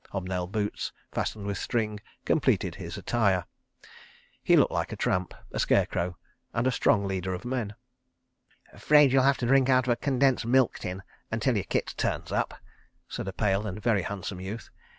Hob nailed boots, fastened with string, completed his attire. He looked like a tramp, a scarecrow, and a strong leader of men. "'Fraid you'll have to drink out of a condensed milk tin, until your kit turns up. .." said a pale and very handsome youth.